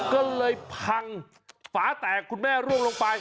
ก็เลยพังฝาแตกคุณแม่ร่วงลงไป